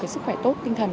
sức khỏe tốt tinh thần